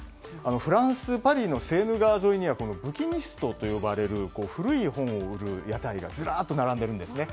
フランス・パリのセーヌ川沿いにはブキニストと呼ばれる古い本を売る屋台がずらっと並んでいるんですね。